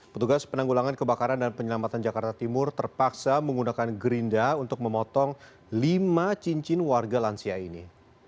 petugas penanggulangan kebakaran dan penyelamatan jakarta timur terpaksa menggunakan gerinda untuk memotong lima cincin warga lansia ini